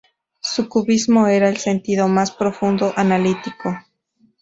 Su cubismo era, en el sentido más profundo, analítico.